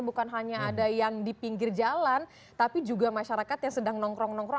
bukan hanya ada yang di pinggir jalan tapi juga masyarakat yang sedang nongkrong nongkrong